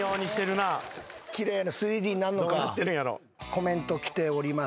コメント来ております。